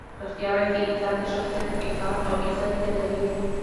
ریښتیا ویل د انسان د شخصیت وقار او عزت زیاتوي.